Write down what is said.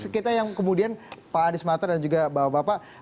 kita yang kemudian pak anies mata dan juga bapak bapak